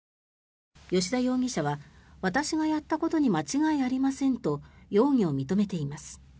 吉田容疑者は、私がやったことに間違いありませんと容疑を認めています。